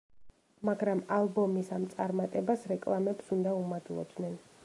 მაგრამ ალბომის ამ წარმატებას რეკლამებს უნდა უმადლოდნენ.